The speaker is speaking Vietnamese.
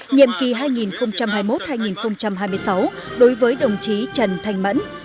nhiệm kỳ hai nghìn hai mươi một hai nghìn hai mươi sáu đối với đồng chí trần thanh mẫn